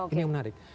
ini yang menarik